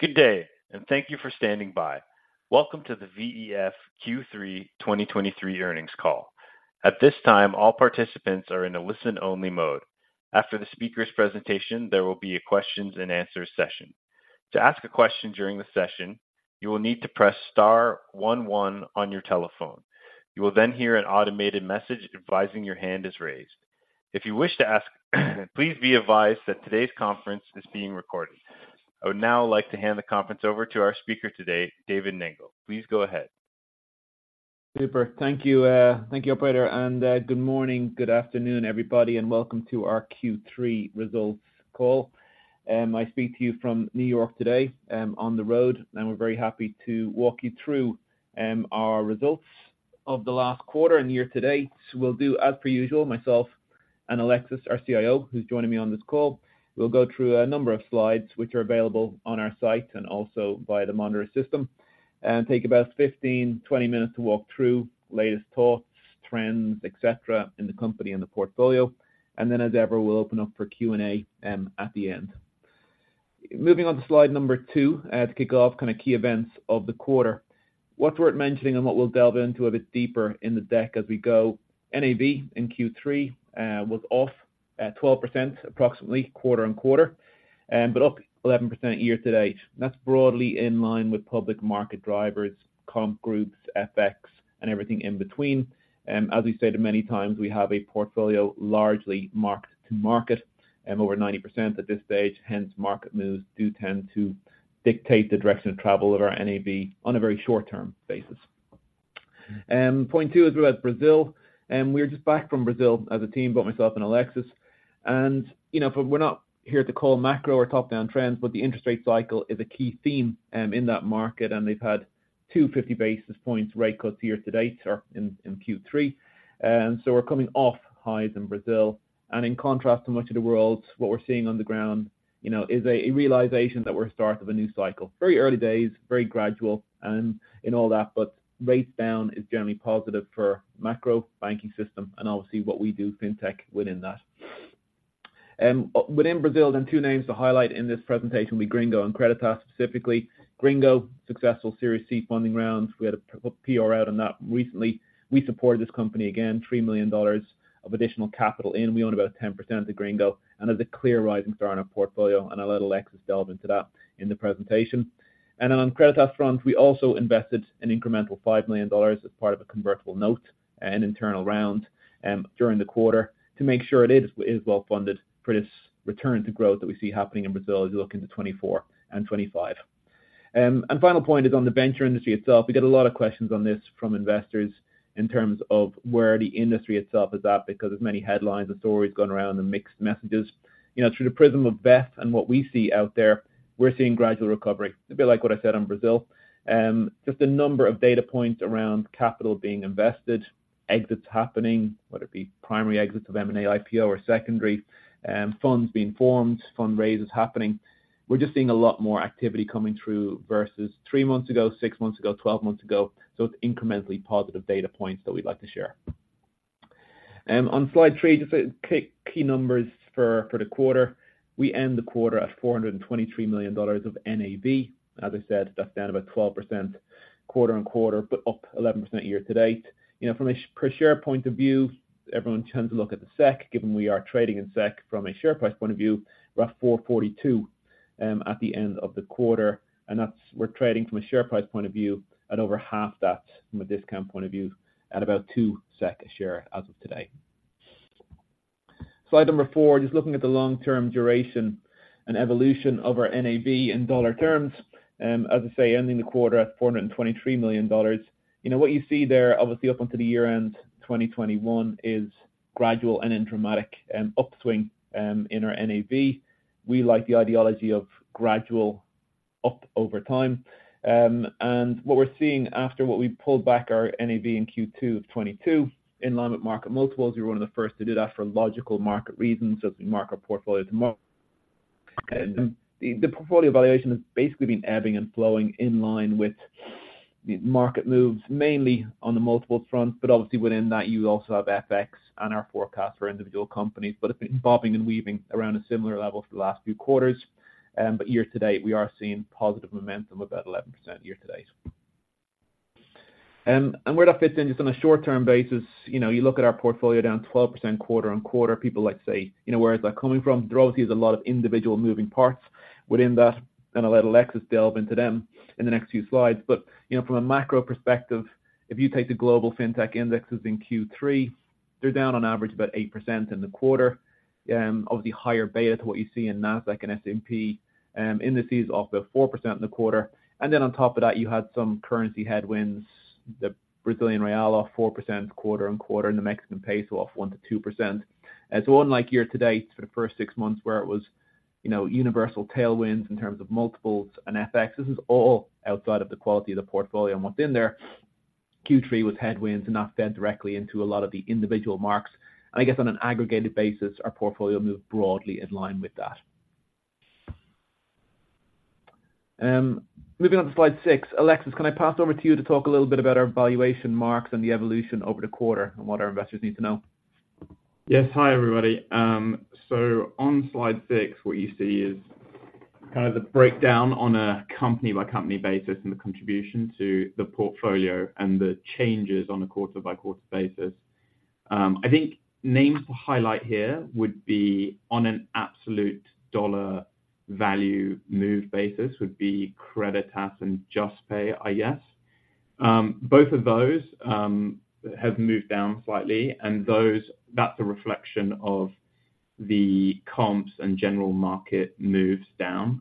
Good day, and thank you for standing by. Welcome to the VEF Q3 2023 Earnings Call. At this time, all participants are in a listen-only mode. After the speaker's presentation, there will be a questions and answer session. To ask a question during the session, you will need to press star one one on your telephone. You will then hear an automated message advising your hand is raised. If you wish to ask, please be advised that today's conference is being recorded. I would now like to hand the conference over to our speaker today, David Nangle. Please go ahead. Super. Thank you, operator, and good morning, good afternoon, everybody, and welcome to our Q3 Results Call. I speak to you from New York today, on the road, and we're very happy to walk you through our results of the last quarter and year-to-date. We'll do as per usual, myself and Alexis, our CIO, who's joining me on this call. We'll go through a number of slides, which are available on our site and also via the monitor system, and take about 15-20 minutes to walk through latest thoughts, trends, et cetera, in the company and the portfolio. And then, as ever, we'll open up for Q&A at the end. Moving on to slide number 2 to kick off kind of key events of the quarter. What's worth mentioning and what we'll delve into a bit deeper in the deck as we go, NAV in Q3 was off at 12%, approximately quarter-on-quarter, but up 11% year-to-date. That's broadly in line with public market drivers, comp groups, FX, and everything in between. As we've said many times, we have a portfolio largely marked-to-market, over 90% at this stage. Hence, market moves do tend to dictate the direction of travel of our NAV on a very short-term basis. Point two is about Brazil, and we're just back from Brazil as a team, both myself and Alexis. You know, we're not here to call macro or top-down trends, but the interest rate cycle is a key theme in that market, and they've had 250 basis points rate cuts year to date or in Q3. So we're coming off highs in Brazil, and in contrast to much of the world, what we're seeing on the ground, you know, is a realization that we're at start of a new cycle. Very early days, very gradual in all that, but rates down is generally positive for macro banking system and obviously what we do, fintech, within that. Within Brazil, then two names to highlight in this presentation will be Gringo and Creditas specifically. Gringo, successful Series C funding rounds. We had a PR out on that recently. We supported this company, again, $3 million of additional capital in. We own about 10% of Gringo, and it is a clear rising star in our portfolio, and I'll let Alexis delve into that in the presentation. Then on Creditas front, we also invested an incremental $5 million as part of a convertible note and internal round during the quarter to make sure it is well funded for this return to growth that we see happening in Brazil as you look into 2024 and 2025. And final point is on the venture industry itself. We get a lot of questions on this from investors in terms of where the industry itself is at because of many headlines and stories going around and mixed messages. You know, through the prism of VEF and what we see out there, we're seeing gradual recovery, a bit like what I said on Brazil. Just a number of data points around capital being invested, exits happening, whether it be primary exits of M&A, IPO or secondary, funds being formed, fundraisers happening. We're just seeing a lot more activity coming through versus 3 months ago, 6 months ago, 12 months ago, so it's incrementally positive data points that we'd like to share. On slide three, just to kick key numbers for the quarter. We end the quarter at $423 million of NAV. As I said, that's down about 12% quarter-on-quarter, but up 11% year-to-date. You know, from a per share point of view, everyone tends to look at the SEK, given we are trading in SEK. From a share price point of view, we're at 4.42 at the end of the quarter, and that's... We're trading from a share price point of view at over half that from a discount point of view at about 2 SEK a share as of today. Slide 4, just looking at the long-term duration and evolution of our NAV in dollar terms. As I say, ending the quarter at $423 million. You know, what you see there, obviously up until the year end, 2021, is gradual and undramatic, upswing, in our NAV. We like the ideology of gradual up over time. And what we're seeing after what we pulled back our NAV in Q2 of 2022, in line with market multiples, we were one of the first to do that for logical market reasons as we [mark-to-market our portfolio]. The portfolio valuation has basically been ebbing and flowing in line with the market moves, mainly on the multiples front, but obviously within that, you also have FX and our forecast for individual companies. But it's been bobbing and weaving around a similar level for the last few quarters. But year-to-date, we are seeing positive momentum, about 11% year to date. And where that fits in, just on a short-term basis, you know, you look at our portfolio down 12% quarter-on-quarter. People like to say, "You know, where is that coming from?" There obviously is a lot of individual moving parts within that, and I'll let Alexis delve into them in the next few slides. But, you know, from a macro perspective, if you take the Global Fintech Indexes in Q3, they're down on average about 8% in the quarter. Obviously higher beta to what you see in NASDAQ and S&P indices off about 4% in the quarter. And then on top of that, you had some currency headwinds, the Brazilian Real off 4% quarter-over-quarter, and the Mexican Peso off 1%-2%. It's unlike year-to-date for the first six months, where it was, you know, universal tailwinds in terms of multiples and FX. This is all outside of the quality of the portfolio and within there, Q3 was headwinds, and that fed directly into a lot of the individual marks. And I guess on an aggregated basis, our portfolio moved broadly in line with that. Moving on to slide six. Alexis, can I pass it over to you to talk a little bit about our valuation marks and the evolution over the quarter and what our investors need to know? Yes, hi, everybody. So on slide six, what you see is kind of the breakdown on a company-by-company basis, and the contribution to the portfolio and the changes on a quarter-by-quarter basis. I think names to highlight here would be on an absolute dollar value move basis, would be Creditas and Juspay, I guess. Both of those have moved down slightly, and that's a reflection of the comps and general market moves down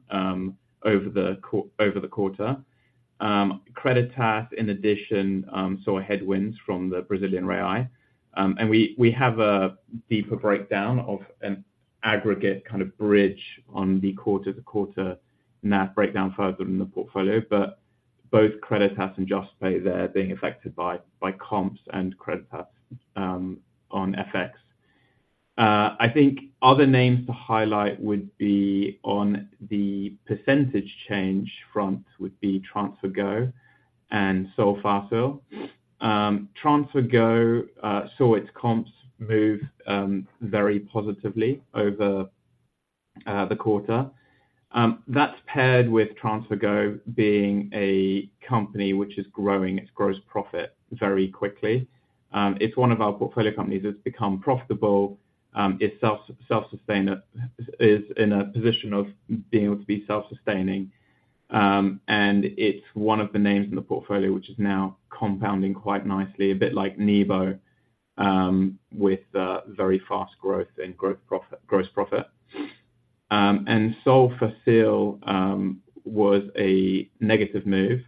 over the quarter. Creditas, in addition, saw headwinds from the Brazilian Real. And we have a deeper breakdown of an aggregate kind of bridge on the quarter to quarter NAV breakdown further in the portfolio, but both Creditas and Juspay there are being affected by comps and Creditas on FX. I think other names to highlight would be on the percentage change front, would be TransferGo and Solfácil. TransferGo saw its comps move very positively over the quarter. That's paired with TransferGo being a company which is growing its gross profit very quickly. It's one of our portfolio companies that's become profitable. It's self-sustainer is in a position of being able to be self-sustaining. And it's one of the names in the portfolio, which is now compounding quite nicely, a bit like Nibo, with very fast growth and growth profit, gross profit. And Solfácil was a negative move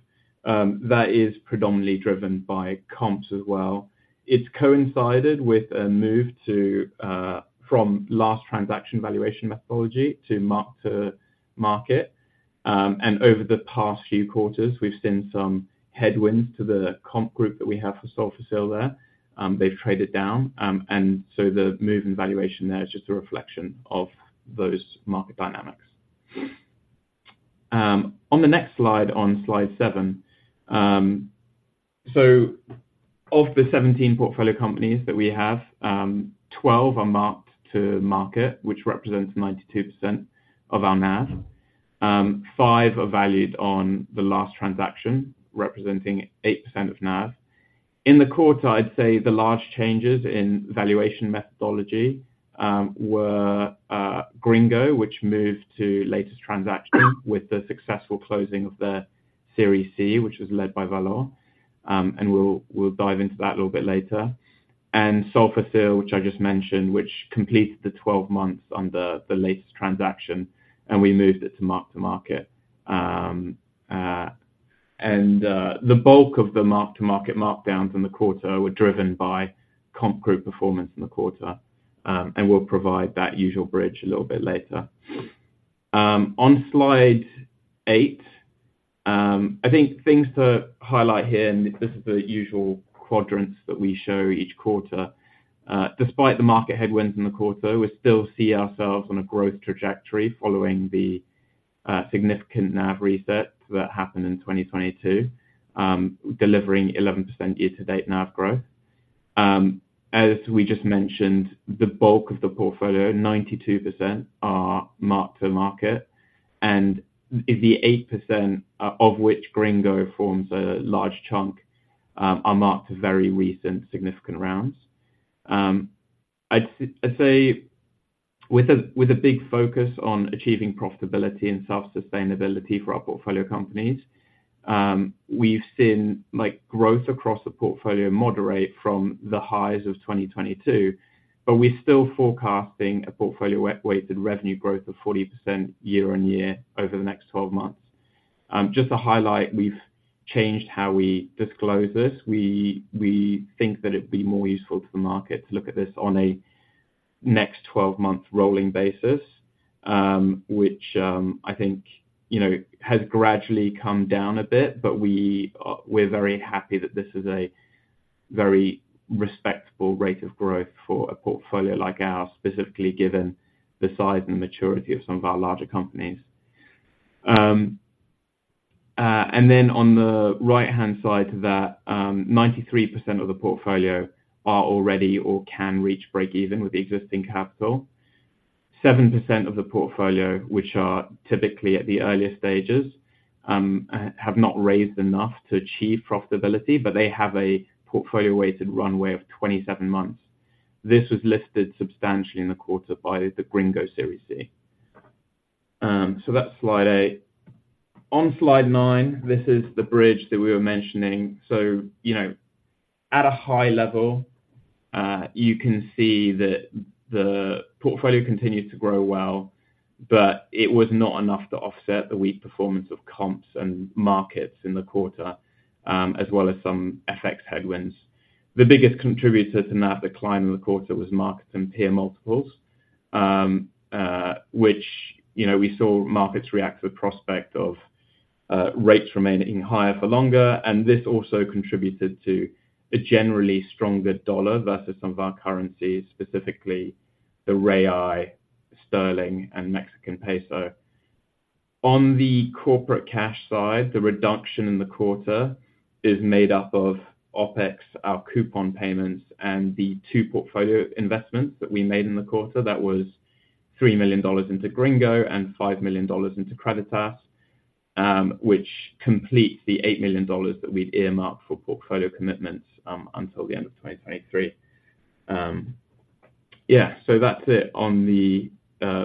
that is predominantly driven by comps as well. It's coincided with a move to from last transaction valuation methodology to mark-to-market. And over the past few quarters, we've seen some headwinds to the comp group that we have for Solfácil there. They've traded down, and so the move in valuation there is just a reflection of those market dynamics. On the next slide, on Slide seven, so of the 17 portfolio companies that we have, 12 are mark-to-market, which represents 92% of our NAV. Five are valued on the last transaction, representing 8% of NAV. In the quarter, I'd say the large changes in valuation methodology were Gringo, which moved to latest transaction with the successful closing of the Series C, which was led by Valor. And we'll dive into that a little bit later. Solfácil, which I just mentioned, which completed the 12 months on the latest transaction, and we moved it to mark-to-market. The bulk of the mark-to-market markdowns in the quarter were driven by comp group performance in the quarter. We'll provide that usual bridge a little bit later. On Slide eight, I think things to highlight here, and this is the usual quadrants that we show each quarter. Despite the market headwinds in the quarter, we still see ourselves on a growth trajectory following the significant NAV reset that happened in 2022, delivering 11% year-to-date NAV growth. As we just mentioned, the bulk of the portfolio, 92%, are mark-to-market, and the 8% of which Gringo forms a large chunk, are marked to very recent significant rounds. I'd say with a big focus on achieving profitability and self-sustainability for our portfolio companies, we've seen, like, growth across the portfolio moderate from the highs of 2022, but we're still forecasting a portfolio weighted revenue growth of 40% year-on-year over the next 12 months. Just to highlight, we've changed how we disclose this. We think that it'd be more useful to the market to look at this on a next 12-month rolling basis, which, I think, you know, has gradually come down a bit, but we're very happy that this is a very respectable rate of growth for a portfolio like ours, specifically given the size and maturity of some of our larger companies. And then on the right-hand side to that, 93% of the portfolio are already or can reach break-even with the existing capital. 7% of the portfolio, which are typically at the earliest stages, have not raised enough to achieve profitability, but they have a portfolio-weighted runway of 27 months. This was listed substantially in the quarter by the Gringo Series C. So that's Slide eight. On Slide nine, this is the bridge that we were mentioning. So, you know, at a high level, you can see that the portfolio continued to grow well, but it was not enough to offset the weak performance of comps and markets in the quarter, as well as some FX headwinds. The biggest contributor to that, the decline in the quarter, was markets and peer multiples. which, you know, we saw markets react to the prospect of rates remaining higher for longer, and this also contributed to a generally stronger dollar versus some of our currencies, specifically the Real, Sterling, and Mexican Peso. On the corporate cash side, the reduction in the quarter is made up of OpEx, our coupon payments, and the two portfolio investments that we made in the quarter. That was $3 million into Gringo and $5 million into Creditas, which completes the $8 million that we'd earmarked for portfolio commitments until the end of 2023. Yeah, so that's it on the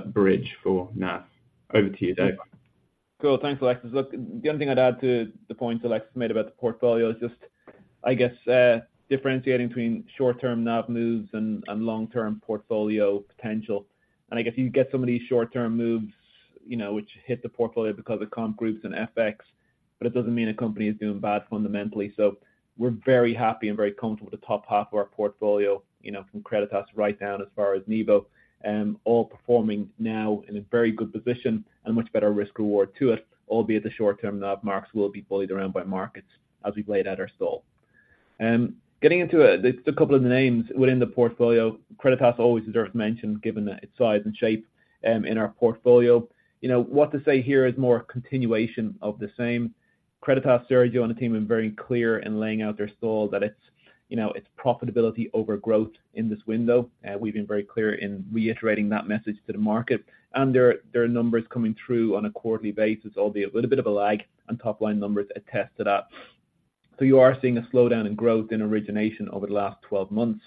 bridge for NAV. Over to you, Dave. Cool. Thanks, Alexis. Look, the only thing I'd add to the point Alexis made about the portfolio is just, I guess, differentiating between short-term NAV moves and long-term portfolio potential. And I guess you get some of these short-term moves, you know, which hit the portfolio because of comp groups and FX, but it doesn't mean a company is doing bad fundamentally. So we're very happy and very comfortable with the top half of our portfolio, you know, from Creditas right down as far as Nibo, all performing now in a very good position and much better risk reward to it, albeit the short-term NAV marks will be bullied around by markets as we've laid out our stall. Getting into just a couple of the names within the portfolio. Creditas always deserves mention, given its size and shape in our portfolio. You know, what to say here is more a continuation of the same. Creditas, Sergio and the team are very clear in laying out their stall that it's, you know, it's profitability over growth in this window. We've been very clear in reiterating that message to the market, and their, their numbers coming through on a quarterly basis, albeit with a bit of a lag on top line numbers, attest to that. So you are seeing a slowdown in growth in origination over the last 12 months,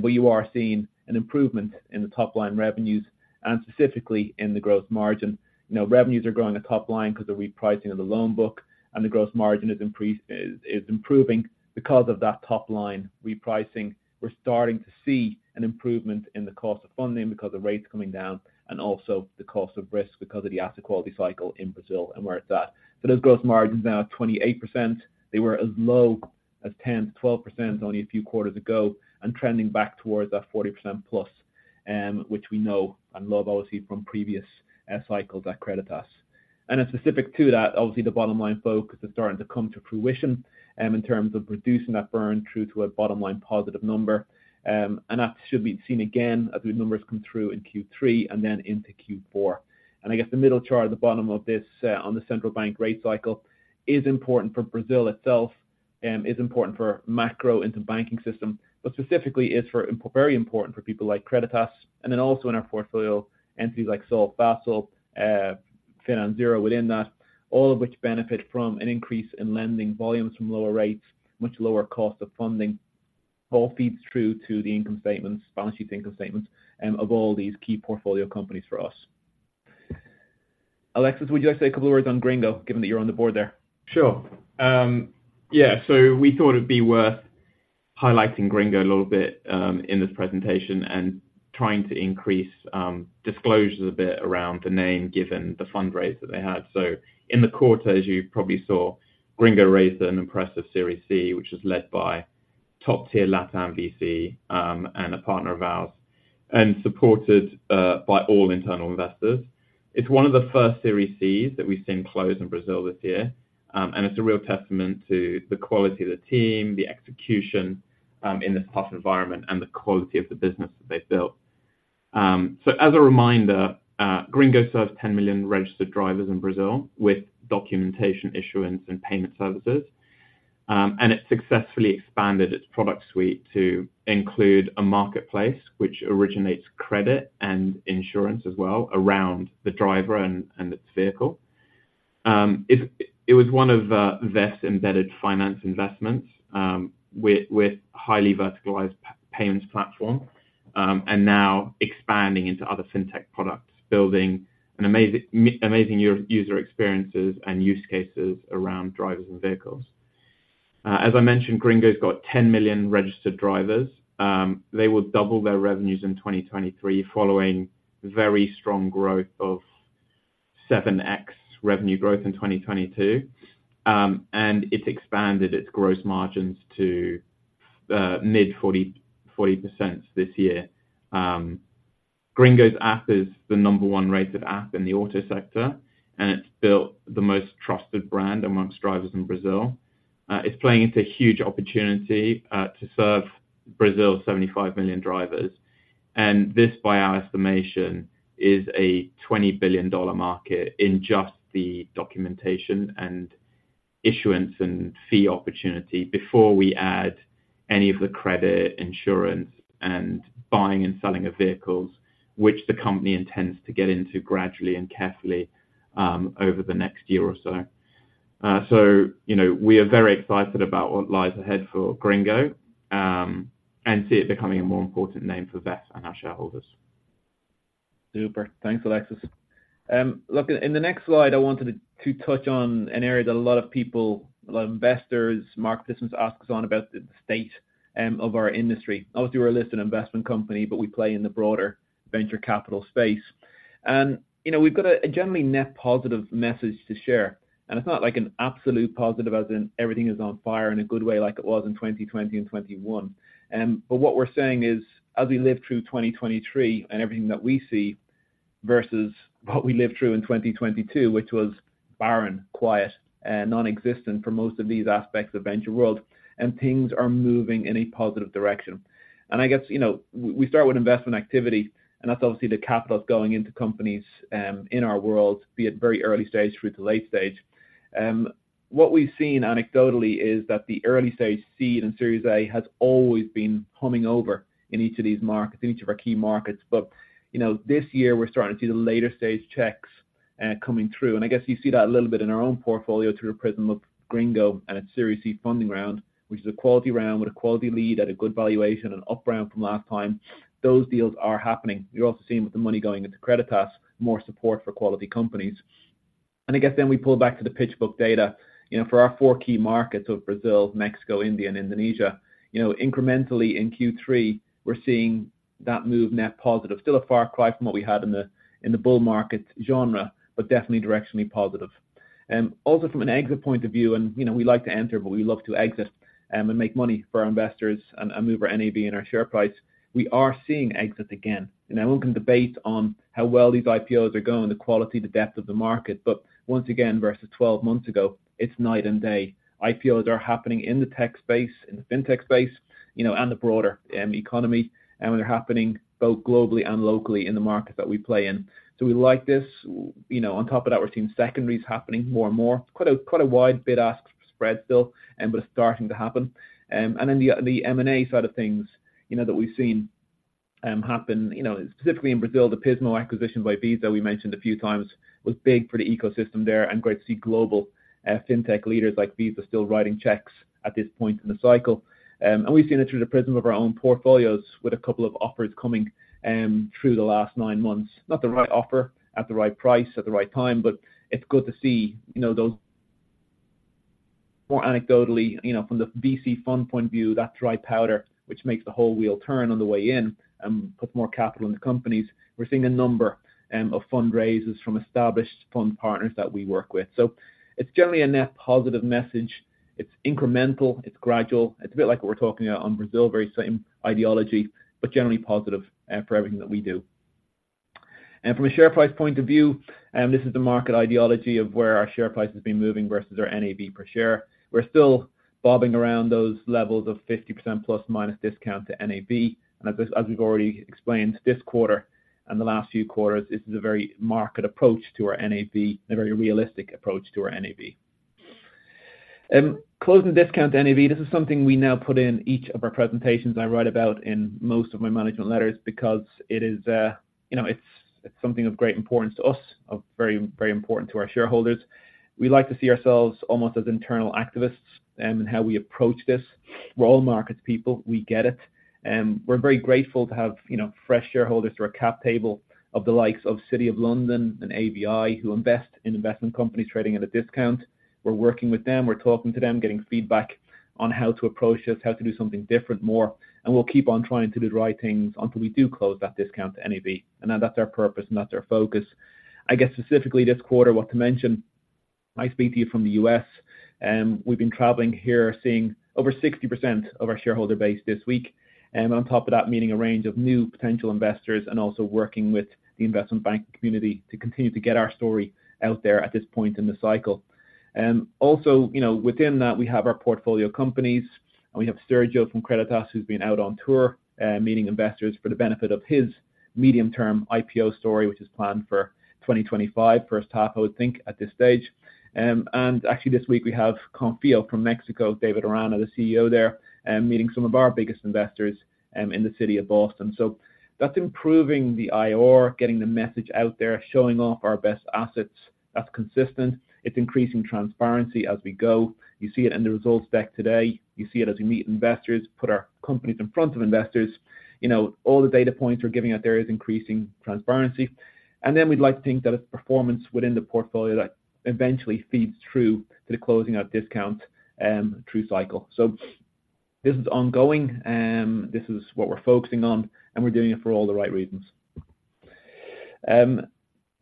but you are seeing an improvement in the top line revenues and specifically in the growth margin. You know, revenues are growing at top line because the repricing of the loan book and the growth margin is improving because of that top line repricing. We're starting to see an improvement in the cost of funding because the rate's coming down and also the cost of risk because of the asset quality cycle in Brazil and where it's at. So those growth margins are now at 28%. They were as low as 10%-12% only a few quarters ago, and trending back towards that 40%+, which we know and love, obviously, from previous, cycles at Creditas. And then specific to that, obviously, the bottom line focus is starting to come to fruition, in terms of reducing that burn through to a bottom line positive number. And that should be seen again as the numbers come through in Q3 and then into Q4. I guess the middle chart at the bottom of this, on the central bank rate cycle is important for Brazil itself, is important for macro into banking system, but specifically is for very important for people like Creditas, and then also in our portfolio, entities like Solfácil, FinanZero within that, all of which benefit from an increase in lending volumes from lower rates, much lower cost of funding. All feeds through to the income statements, balance sheet income statements, of all these key portfolio companies for us. Alexis, would you like to say a couple of words on Gringo, given that you're on the board there? Sure. Yeah, so we thought it'd be worth highlighting Gringo a little bit in this presentation and trying to increase disclosures a bit around the name, given the fundraise that they had. So in the quarter, as you probably saw, Gringo raised an impressive Series C, which was led by top-tier LatAm VC and a partner of ours, and supported by all internal investors. It's one of the first Series Cs that we've seen close in Brazil this year and it's a real testament to the quality of the team, the execution in this tough environment, and the quality of the business that they've built. So as a reminder, Gringo serves 10 million registered drivers in Brazil with documentation, issuance, and payment services. And it successfully expanded its product suite to include a marketplace which originates credit and insurance as well around the driver and its vehicle. It was one of VEF's embedded finance investments, with highly verticalized payments platform, and now expanding into other fintech products, building an amazing user experiences and use cases around drivers and vehicles. As I mentioned, Gringo's got 10 million registered drivers. They will double their revenues in 2023, following very strong growth of 7x revenue growth in 2022. And it's expanded its gross margins to mid-40, 40% this year. Gringo's app is the number one rated app in the auto sector, and it's built the most trusted brand amongst drivers in Brazil. It's playing into a huge opportunity to serve Brazil's 75 million drivers. This, by our estimation, is a $20 billion market in just the documentation and issuance and fee opportunity before we add any of the credit, insurance, and buying and selling of vehicles, which the company intends to get into gradually and carefully over the next year or so. So you know, we are very excited about what lies ahead for Gringo, and see it becoming a more important name for VEF and our shareholders. Super. Thanks, Alexis. Look, in the next slide, I wanted to touch on an area that a lot of people, a lot of investors, market participants ask us about the state of our industry. Obviously, we're a listed investment company, but we play in the broader venture capital space. And, you know, we've got a generally net positive message to share, and it's not like an absolute positive as in everything is on fire in a good way like it was in 2020 and 2021. But what we're saying is, as we live through 2023 and everything that we see versus what we lived through in 2022, which was barren, quiet, and nonexistent for most of these aspects of venture world, and things are moving in a positive direction. I guess, you know, we start with investment activity, and that's obviously the capital going into companies in our world, be it very early stage through to late stage. What we've seen anecdotally is that the early stage seed and Series A has always been humming over in each of these markets, in each of our key markets. You know, this year we're starting to see the later stage checks coming through, and I guess you see that a little bit in our own portfolio through the prism of Gringo and its Series C funding round, which is a quality round with a quality lead at a good valuation and up round from last time. Those deals are happening. You're also seeing with the money going into Creditas, more support for quality companies. I guess then we pull back to the PitchBook data, you know, for our four key markets of Brazil, Mexico, India and Indonesia, you know, incrementally in Q3, we're seeing that move net positive. Still a far cry from what we had in the bull market genre, but definitely directionally positive. Also from an exit point of view, and, you know, we like to enter, but we love to exit, and make money for our investors and, and move our NAV and our share price. We are seeing exits again, and now we can debate on how well these IPOs are going, the quality, the depth of the market, but once again, versus 12 months ago, it's night and day. IPOs are happening in the tech space, in the fintech space, you know, and the broader economy, and they're happening both globally and locally in the market that we play in. So we like this. You know, on top of that, we're seeing secondaries happening more and more. Quite a wide bid-ask spread still, but it's starting to happen. And then the M&A side of things, you know, that we've seen happen, you know, specifically in Brazil, the Pismo acquisition by Visa, we mentioned a few times, was big for the ecosystem there, and great to see global fintech leaders like Visa still writing checks at this point in the cycle. And we've seen it through the prism of our own portfolios with a couple of offers coming through the last nine months. Not the right offer at the right price, at the right time, but it's good to see, you know, those... More anecdotally, you know, from the VC fund point of view, that dry powder, which makes the whole wheel turn on the way in, puts more capital in the companies. We're seeing a number, of fundraisers from established fund partners that we work with. So it's generally a net positive message. It's incremental, it's gradual. It's a bit like what we're talking about on Brazil, very same ideology, but generally positive, for everything that we do. And from a share price point of view, this is the market ideology of where our share price has been moving versus our NAV per share. We're still bobbing around those levels of 50% ± discount to NAV, and as we've already explained, this quarter and the last few quarters, this is a very market approach to our NAV, a very realistic approach to our NAV. Closing discount to NAV, this is something we now put in each of our presentations I write about in most of my management letters, because it is, you know, it's something of great importance to us, of very, very important to our shareholders. We like to see ourselves almost as internal activists, in how we approach this. We're all markets people, we get it, we're very grateful to have, you know, fresh shareholders through our cap table of the likes of City of London and AVI, who invest in investment companies trading at a discount. We're working with them, we're talking to them, getting feedback on how to approach this, how to do something different more, and we'll keep on trying to do the right things until we do close that discount to NAV, and that's our purpose and that's our focus. I guess, specifically this quarter, what to mention, I speak to you from the U.S., we've been traveling here, seeing over 60% of our shareholder base this week, on top of that, meeting a range of new potential investors and also working with the investment banking community to continue to get our story out there at this point in the cycle. Also, you know, within that, we have our portfolio companies, and we have Sergio from Creditas, who's been out on tour, meeting investors for the benefit of his medium-term IPO story, which is planned for 2025, H1, I would think, at this stage. And actually this week we have Konfío from Mexico, David Arana, the CEO there, meeting some of our biggest investors in the city of Boston. So that's improving the IR, getting the message out there, showing off our best assets. That's consistent. It's increasing transparency as we go. You see it in the results deck today, you see it as we meet investors, put our companies in front of investors, you know, all the data points we're giving out there is increasing transparency. Then we'd like to think that it's performance within the portfolio that eventually feeds through to the closing out discount, through cycle. This is ongoing, this is what we're focusing on, and we're doing it for all the right reasons.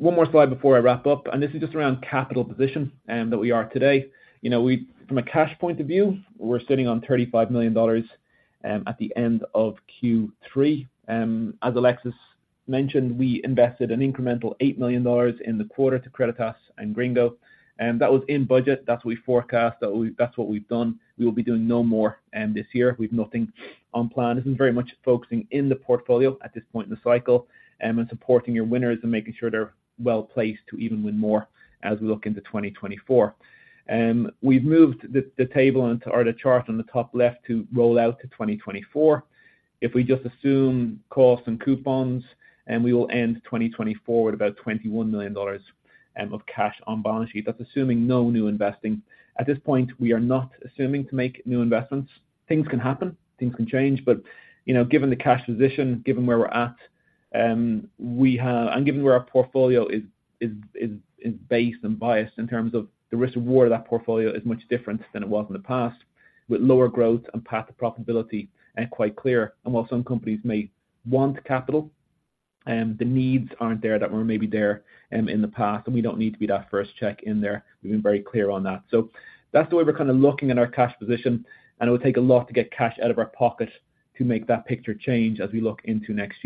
One more slide before I wrap up, and this is just around capital position, that we are today. You know, we... From a cash point of view, we're sitting on $35 million, at the end of Q3. As Alexis mentioned, we invested an incremental $8 million in the quarter to Creditas and Gringo, and that was in budget. That's what we forecast, that's what we've done. We will be doing no more, this year. We've nothing on plan. This is very much focusing in the portfolio at this point in the cycle, and supporting your winners and making sure they're well placed to even win more as we look into 2024. We've moved the table or the chart on the top left to roll out to 2024. If we just assume costs and coupons, we will end 2024 with about $21 million of cash on balance sheet. That's assuming no new investing. At this point, we are not assuming to make new investments. Things can happen, things can change, but, you know, given the cash position, given where we're at, and given where our portfolio is based and biased in terms of the risk and reward of that portfolio is much different than it was in the past, with lower growth and path to profitability, and quite clear. And while some companies may want capital, the needs aren't there, that were maybe there, in the past, and we don't need to be that first check in there. We've been very clear on that. So that's the way we're kind of looking at our cash position, and it will take a lot to get cash out of our pocket to make that picture change as we look into next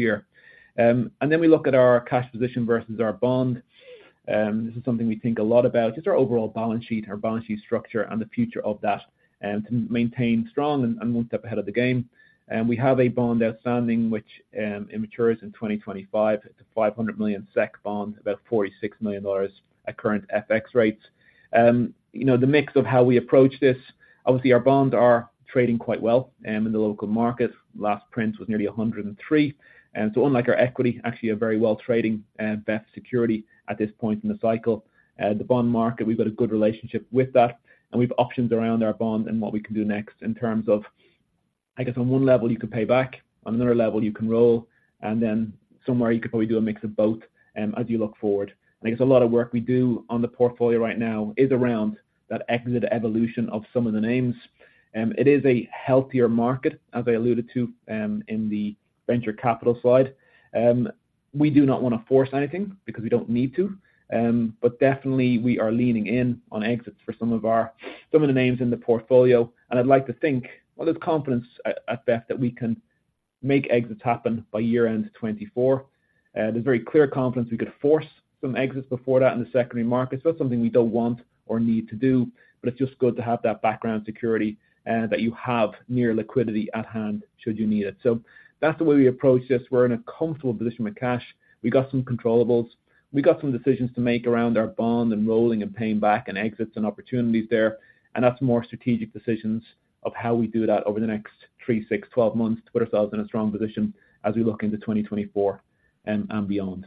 year. And then we look at our cash position versus our bond. This is something we think a lot about, just our overall balance sheet, our balance sheet structure, and the future of that, to maintain strong and, and one step ahead of the game. And we have a bond outstanding, which, it matures in 2025. It's a 500 million SEK bond, about $46 million at current FX rates. You know, the mix of how we approach this, obviously, our bonds are trading quite well, in the local market. Last print was nearly 103. And so unlike our equity, actually a very well trading, best security at this point in the cycle. The bond market, we've got a good relationship with that, and we've options around our bond and what we can do next in terms of, I guess on one level, you could pay back, on another level, you can roll, and then somewhere you could probably do a mix of both, as you look forward. I think there's a lot of work we do on the portfolio right now is around that exit evolution of some of the names. It is a healthier market, as I alluded to, in the venture capital slide. We do not wanna force anything because we don't need to, but definitely we are leaning in on exits for some of our—some of the names in the portfolio. And I'd like to think, well, there's confidence at, at best, that we can make exits happen by year-end 2024. There's very clear confidence we could force some exits before that in the secondary market. It's not something we don't want or need to do, but it's just good to have that background security, that you have near liquidity at hand should you need it. So that's the way we approach this. We're in a comfortable position with cash. We got some controllables, we got some decisions to make around our bond and rolling and paying back and exits and opportunities there, and that's more strategic decisions of how we do that over the next three, six, 12 months to put ourselves in a strong position as we look into 2024, and beyond.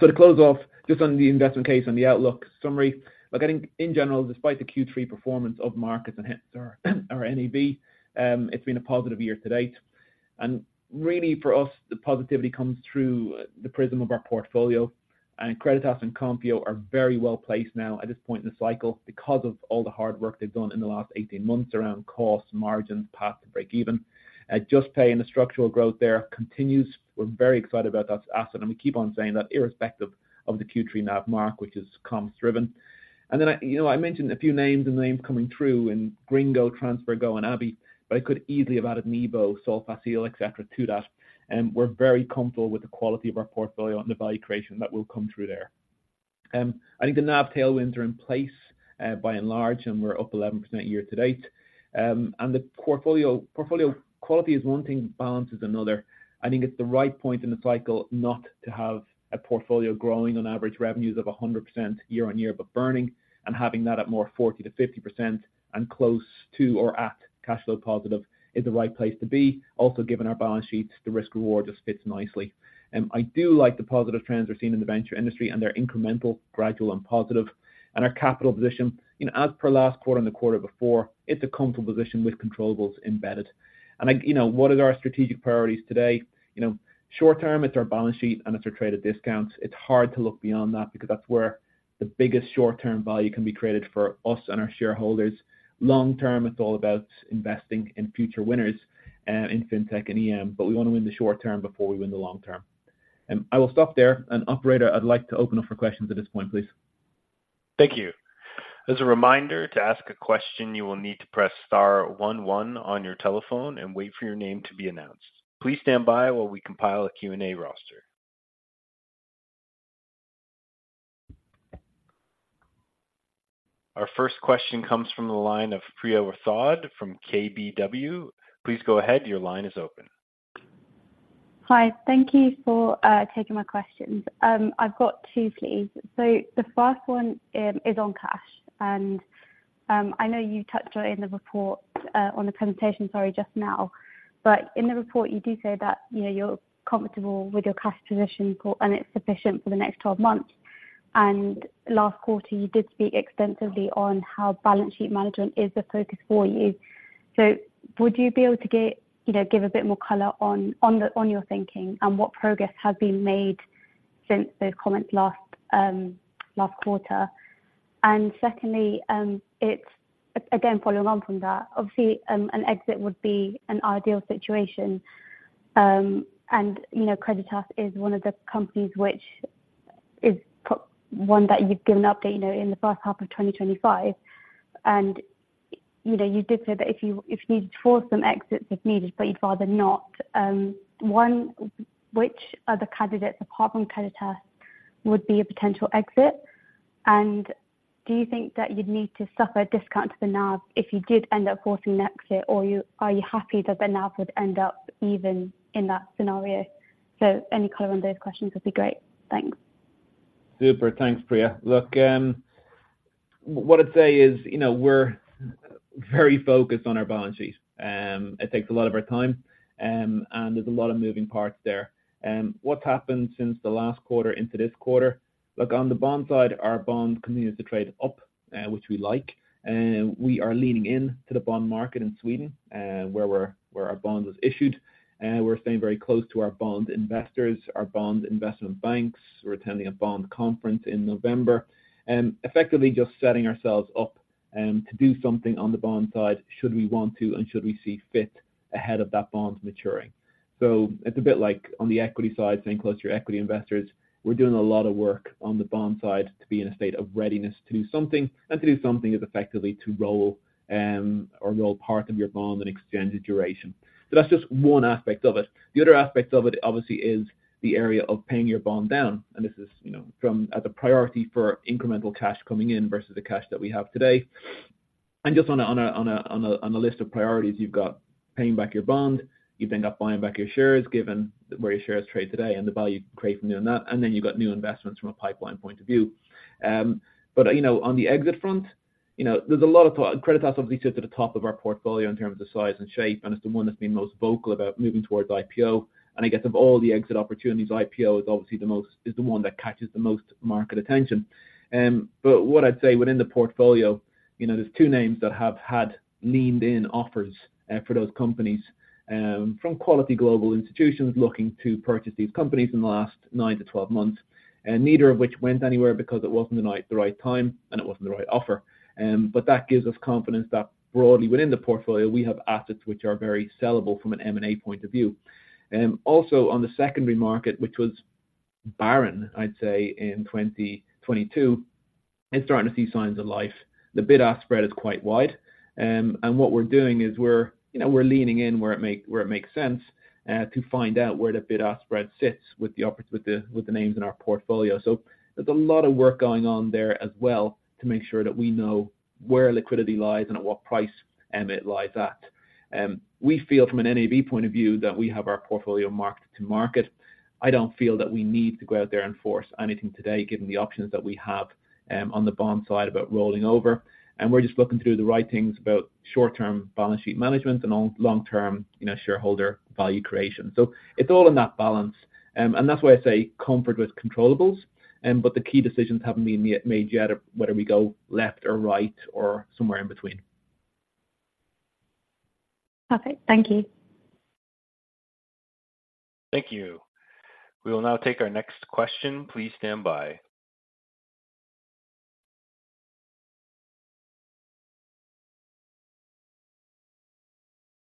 So to close off, just on the investment case and the outlook summary. Look, I think in general, despite the Q3 performance of markets and hence our NAV, it's been a positive year to date. And really for us, the positivity comes through the prism of our portfolio. And Creditas and Konfío are very well placed now at this point in the cycle because of all the hard work they've done in the last 18 months around costs, margins, path to break-even. Juspay and the structural growth there continues. We're very excited about that asset, and we keep on saying that irrespective of the Q3 NAV mark, which is comps driven. And then, you know, I mentioned a few names and names coming through in Gringo, TransferGo, and Abhi, but I could easily have added Nibo, Solfácil, et cetera, to that. And we're very comfortable with the quality of our portfolio and the value creation that will come through there. I think the NAV tailwinds are in place, by and large, and we're up 11% year-to-date. And the portfolio quality is one thing, balance is another. I think it's the right point in the cycle not to have a portfolio growing on average revenues of 100% year-over-year, but burning and having that at more 40%-50% and close to or at cash flow positive is the right place to be. Also, given our balance sheets, the risk-reward just fits nicely. I do like the positive trends we're seeing in the venture industry, and they're incremental, gradual, and positive. Our capital position, you know, as per last quarter and the quarter before, it's a comfortable position with controllables embedded. Like, you know, what are our strategic priorities today? You know, short-term, it's our balance sheet and it's our traded discounts. It's hard to look beyond that because that's where the biggest short-term value can be created for us and our shareholders. Long-term, it's all about investing in future winners in fintech and EM, but we wanna win the short-term before we win the long-term. I will stop there, and operator, I'd like to open up for questions at this point, please. Thank you. As a reminder, to ask a question, you will need to press star one one on your telephone and wait for your name to be announced. Please stand by while we compile a Q&A roster. Our first question comes from the line of Priya Rathod from KBW. Please go ahead. Your line is open. Hi, thank you for taking my questions. I've got two, please. So the first one is on cash, and I know you touched on it in the report, on the presentation, sorry, just now. But in the report, you do say that, you know, you're comfortable with your cash position for... and it's sufficient for the next 12 months. And last quarter, you did speak extensively on how balance sheet management is the focus for you. So would you be able to get, you know, give a bit more color on, on the, on your thinking and what progress has been made since those comments last, last quarter? And secondly, it's again, following on from that, obviously, an exit would be an ideal situation. And, you know, Creditas is one of the companies which is one that you've given an update, you know, in the H1 of 2025. And, you know, you did say that if you, if you needed to force some exits if needed, but you'd rather not. One, which are the candidates, apart from Creditas, would be a potential exit? And do you think that you'd need to suffer a discount to the NAV if you did end up forcing an exit, or you- are you happy that the NAV would end up even in that scenario? So any color on those questions would be great. Thanks. Super. Thanks, Priya. Look, what I'd say is, you know, we're very focused on our balance sheet. It takes a lot of our time, and there's a lot of moving parts there. What's happened since the last quarter into this quarter? Look, on the bond side, our bond continues to trade up, which we like. We are leaning in to the bond market in Sweden, where we're, where our bond was issued. We're staying very close to our bond investors, our bond investment banks. We're attending a bond conference in November, effectively just setting ourselves up, to do something on the bond side should we want to and should we see fit ahead of that bond maturing.... So it's a bit like on the equity side, saying close to your equity investors, we're doing a lot of work on the bond side to be in a state of readiness to do something, and to do something is effectively to roll, or roll part of your bond and extend the duration. So that's just one aspect of it. The other aspect of it, obviously, is the area of paying your bond down, and this is, you know, from as a priority for incremental cash coming in versus the cash that we have today. And just on a list of priorities, you've got paying back your bond, you've then got buying back your shares, given where your shares trade today and the value you create from doing that, and then you've got new investments from a pipeline point of view. But, you know, on the exit front, you know, there's a lot of thought. Creditas has obviously sits at the top of our portfolio in terms of the size and shape, and it's the one that's been most vocal about moving towards IPO. And I guess of all the exit opportunities, IPO is obviously the most is the one that catches the most market attention. But what I'd say within the portfolio, you know, there's two names that have had leaned in offers, for those companies, from quality global institutions looking to purchase these companies in the last 9-12 months, and neither of which went anywhere because it wasn't the right time, and it wasn't the right offer. But that gives us confidence that broadly within the portfolio, we have assets which are very sellable from an M&A point of view. Also on the secondary market, which was barren, I'd say in 2022, it's starting to see signs of life. The bid-ask spread is quite wide. And what we're doing is we're, you know, we're leaning in where it makes sense to find out where the bid-ask spread sits with the names in our portfolio. So there's a lot of work going on there as well to make sure that we know where liquidity lies and at what price it lies at. We feel from an NAV point of view that we have our portfolio marked to market. I don't feel that we need to go out there and force anything today, given the options that we have on the bond side about rolling over, and we're just looking through the right things about short-term balance sheet management and long, long-term net shareholder value creation. So it's all in that balance. And that's why I say comfort with controllables, but the key decisions haven't been made yet of whether we go left or right or somewhere in between. Perfect. Thank you. Thank you. We will now take our next question. Please stand by.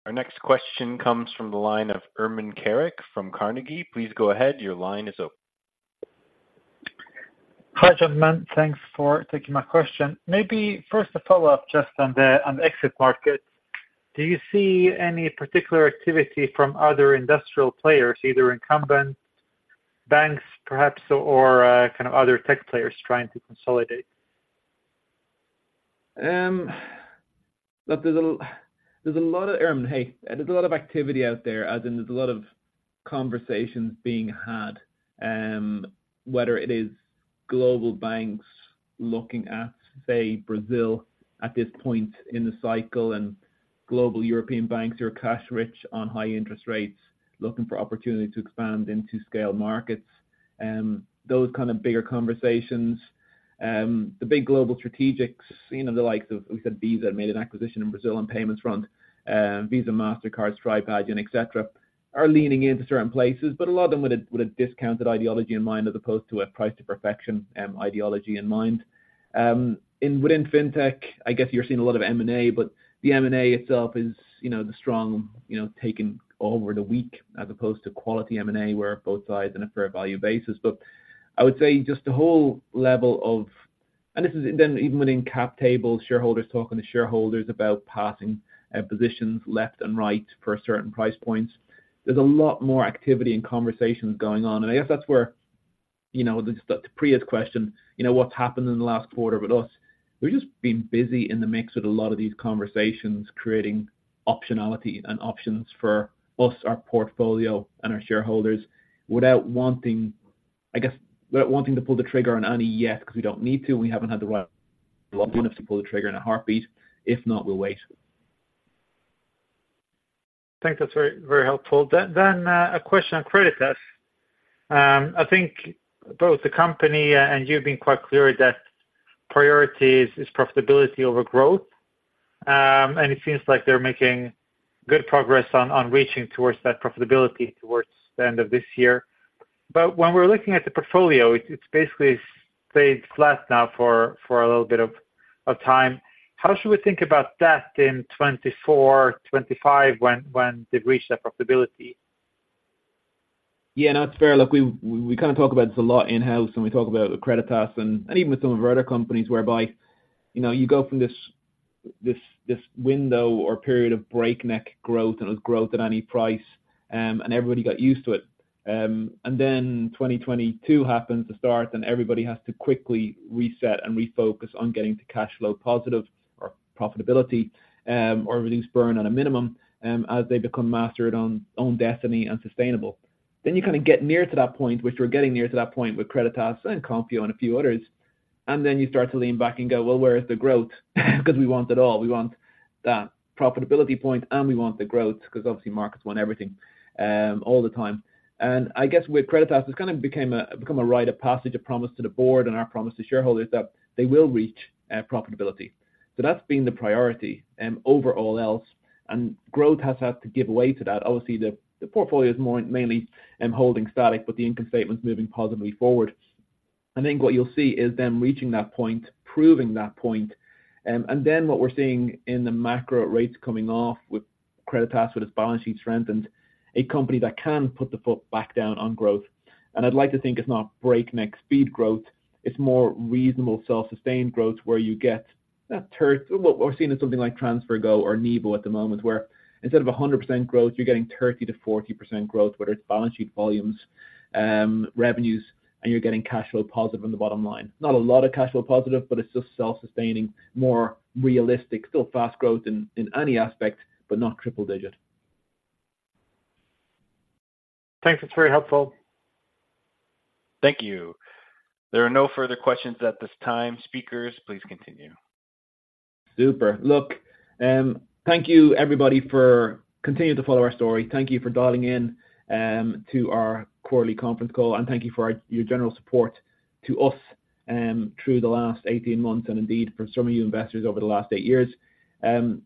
Our next question comes from the line of Erman Keric from Carnegie. Please go ahead. Your line is open. Hi, gentlemen. Thanks for taking my question. Maybe first a follow-up just on the exit market. Do you see any particular activity from other industrial players, either incumbent banks, perhaps, or kind of other tech players trying to consolidate? Look, there's a lot of... Erman, hey, there's a lot of activity out there, as in there's a lot of conversations being had, whether it is global banks looking at, say, Brazil at this point in the cycle, and global European banks are cash rich on high interest rates, looking for opportunity to expand into scale markets. Those kind of bigger conversations, the big global strategics, you know, the likes of, we said Visa made an acquisition in Brazil on payments front. Visa, Mastercard, Stripe, Adyen, et cetera, are leaning into certain places, but a lot of them with a discounted ideology in mind, as opposed to a price to perfection, ideology in mind. And within Fintech, I guess you're seeing a lot of M&A, but the M&A itself is, you know, the strong, you know, taking over the weak, as opposed to quality M&A, where both sides on a fair value basis. But I would say just the whole level of... And this is then even within cap table, shareholders talking to shareholders about passing positions left and right for certain price points. There's a lot more activity and conversations going on, and I guess that's where, you know, the Priya's question, you know, what's happened in the last quarter with us? We've just been busy in the mix with a lot of these conversations, creating optionality and options for us, our portfolio, and our shareholders, without wanting, I guess, without wanting to pull the trigger on any yet, because we don't need to, and we haven't had the right one to pull the trigger in a heartbeat. If not, we'll wait. Thanks. That's very, very helpful. Then a question on Creditas. I think both the company and you've been quite clear that priorities is profitability over growth. And it seems like they're making good progress on reaching towards that profitability towards the end of this year. But when we're looking at the portfolio, it's basically stayed flat now for a little bit of time. How should we think about that in 2024, 2025, when they've reached that profitability? Yeah, no, it's fair. Look, we, we kind of talk about this a lot in-house, and we talk about Creditas and, and even with some of our other companies, whereby, you know, you go from this, this, this window or period of breakneck growth, and it was growth at any price, and everybody got used to it. And then 2022 happens to start and everybody has to quickly reset and refocus on getting to cash flow positive or profitability, or reduce burn at a minimum, as they become master of own destiny and sustainable. Then you kind of get near to that point, which we're getting near to that point with Creditas and Konfio and a few others, and then you start to lean back and go: Well, where is the growth? Because we want it all. We want that profitability point, and we want the growth, because obviously markets want everything, all the time. And I guess with Creditas, it's kind of become a rite of passage, a promise to the board and our promise to shareholders that they will reach profitability. So that's been the priority, over all else, and growth has had to give away to that. Obviously, the portfolio is more mainly holding static, but the income statement's moving positively forward. I think what you'll see is them reaching that point, proving that point, and then what we're seeing in the macro rates coming off with Creditas, with its balance sheet strength, and a company that can put the foot back down on growth. And I'd like to think it's not breakneck speed growth, it's more reasonable, self-sustained growth, where you get that third... What we're seeing in something like TransferGo or Nibo at the moment, where instead of 100% growth, you're getting 30%-40% growth, whether it's balance sheet volumes, revenues, and you're getting cash flow positive on the bottom line. Not a lot of cash flow positive, but it's just self-sustaining, more realistic, still fast growth in any aspect, but not triple-digit. Thanks. That's very helpful. Thank you. There are no further questions at this time. Speakers, please continue. Super. Look, thank you everybody for continuing to follow our story. Thank you for dialing in, to our quarterly conference call, and thank you for your general support to us, through the last 18 months, and indeed for some of you investors over the last 8 years.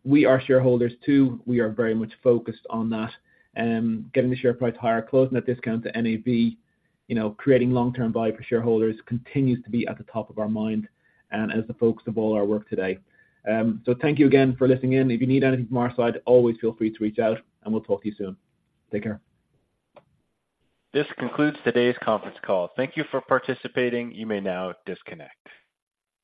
We are shareholders too. We are very much focused on that, getting the share price higher, closing that discount to NAV, you know, creating long-term value for shareholders continues to be at the top of our mind and as the focus of all our work today. So thank you again for listening in. If you need anything from our side, always feel free to reach out and we'll talk to you soon. Take care. This concludes today's conference call. Thank you for participating. You may now disconnect.